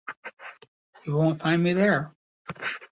You won't find me there.